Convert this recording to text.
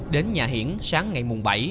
đến nhà hiển sáng ngày bảy